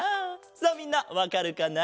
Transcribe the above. さあみんなわかるかな？